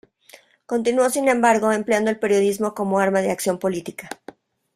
Continuó, sin embargo, empleando el periodismo como arma de acción política.